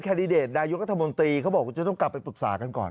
ดิเดตนายกัธมนตรีเขาบอกว่าจะต้องกลับไปปรึกษากันก่อน